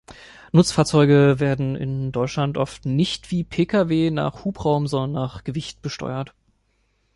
Nutzfahrzeuge werden in Deutschland oft nicht wie Pkw nach Hubraum, sondern nach Gewicht besteuert.